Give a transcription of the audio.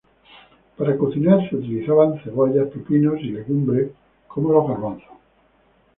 Para cocinar se utilizaban cebollas, pepinos y legumbres como los garbanzos.